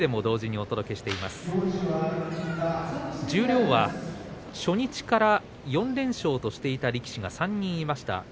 十両は初日から４連勝としていた力士が３人いました。